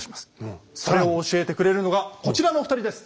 それを教えてくれるのがこちらのお二人です。